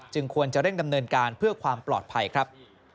ควรจะเร่งดำเนินการเพื่อความปลอดภัยครับ